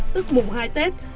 tức mùng hai tết